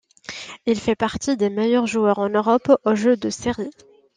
Il fait partie des meilleurs joueurs en Europe aux jeux de série.